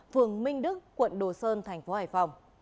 phường minh đức quận đồ sơn tp hải phòng